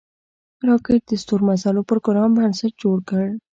راکټ د ستورمزلو پروګرام بنسټ جوړ کړ